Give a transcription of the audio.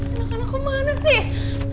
anak anak kemana sih